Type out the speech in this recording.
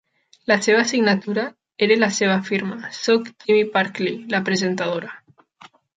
La seva signatura era la seva firma: Soc Gimmy Park Li, la presentadora.